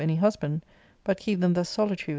anY hUsbanj, but kegp them thus snh>ary..